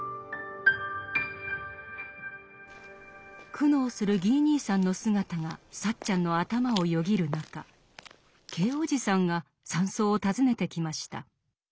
苦悩するギー兄さんの姿がサッチャンの頭をよぎる中Ｋ伯父さんが山荘を訪ねてきました。